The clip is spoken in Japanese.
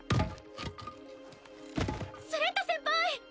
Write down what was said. ・スレッタ先輩！